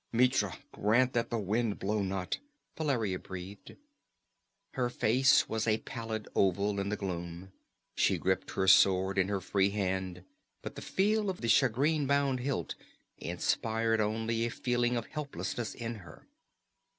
"Mitra grant that the wind blow not!" Valeria breathed. Her face was a pallid oval in the gloom. She gripped her sword in her free hand, but the feel of the shagreen bound hilt inspired only a feeling of helplessness in her.